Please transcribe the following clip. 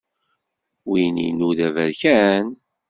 Win-inu d aberkan!